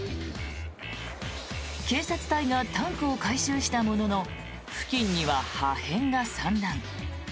警察隊がタンクを回収したものの付近には破片が散乱。